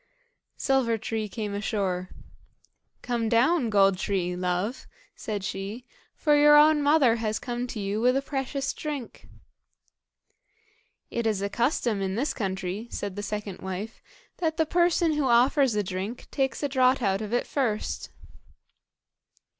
Silver tree came ashore. "Come down, Gold tree, love," said she, "for your own mother has come to you with a precious drink." "It is a custom in this country," said the second wife, "that the person who offers a drink takes a draught out of it first."